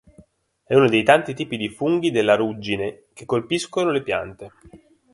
È uno dei tanti tipi di funghi della ruggine che colpiscono le piante.